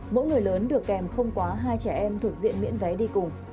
mỗi người lớn được kèm không quá hai trẻ em thuộc diện miễn vé đi cùng